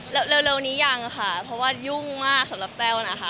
เร็วนี้ยังค่ะเพราะว่ายุ่งมากสำหรับแต้วนะคะ